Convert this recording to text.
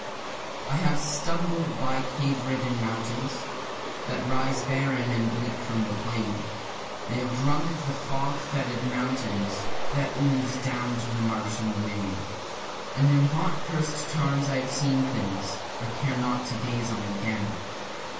I have stumbled by cave riddled mountains That rise barren and bleak from the plain, I have drunk of the frog foetid fountains That ooze down to the marsh and the main; And in hot curs'd tarns I have seen things I care not to gaze on again.